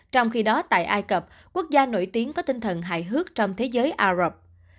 trong khi đó tại ai cập quốc gia nổi tiếng có tinh thần hài hước trong thế giới ả rập